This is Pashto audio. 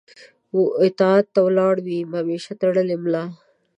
و طاعت و ته ولاړ وي همېشه تړلې ملا